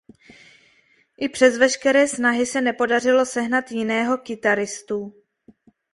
I přes veškeré snahy se nepodařilo sehnat jiného kytaristu.